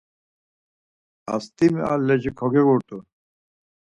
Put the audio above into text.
Ast̆imi alerji kogiğurt̆u.